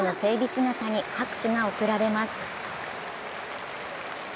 姿に拍手が送られます。